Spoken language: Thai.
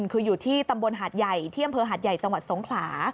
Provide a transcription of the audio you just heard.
คืออยู่ที่ตำบลหาดใหญ่ที่อำเภอหาดใหญ่จังหวัดสงขลา